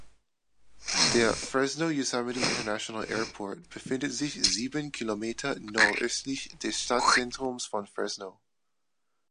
Der Fresno Yosemite International Airport befindet sich sieben Kilometer nordöstlich des Stadtzentrums von Fresno.